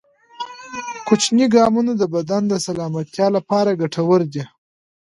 کوچني ګامونه د بدن د سلامتیا لپاره ګټور دي.